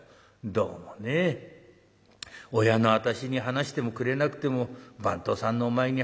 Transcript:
どうもね親の私に話してもくれなくても番頭さんのお前に話してくれる。